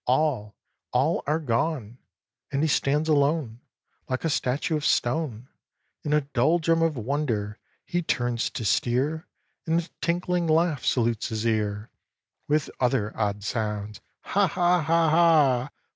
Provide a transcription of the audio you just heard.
All, all are gone And he stands alone, Like a statue of stone, In a doldrum of wonder. He turns to steer, And a tinkling laugh salutes his ear With other odd sounds "Ha! ha! ha! ha!